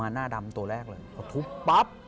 หน้าดำตัวแรกเลยพอทุบปั๊บ